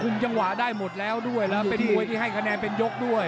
จังหวะได้หมดแล้วด้วยแล้วเป็นมวยที่ให้คะแนนเป็นยกด้วย